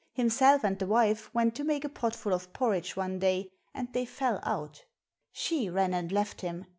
Himself and the wife went to make a potful of porridge one day, and they fell out. She ran and left him.